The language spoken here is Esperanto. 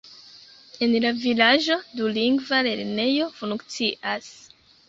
En la vilaĝo dulingva lernejo funkcias.